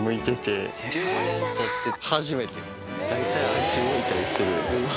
大体あっち向いたりする。